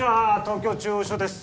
東京中央署です